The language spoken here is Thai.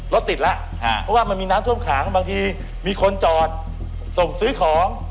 รถติดแล้วเพราะว่ามันมีน้ำท่วมขังบางทีมีคนจอดส่งซื้อของ